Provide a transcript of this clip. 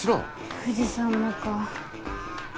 藤さんもか。